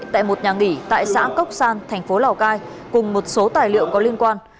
tại một nhà nghỉ tại xã cốc san thành phố lào cai cùng một số tài liệu có liên quan